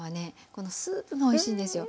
このスープがおいしいんですよ。